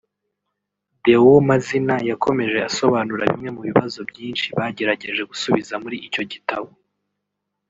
Déo Mazina yakomeje asobanura bimwe mu bibazo byinshi bagerageje gusubiza muri icyo gitabo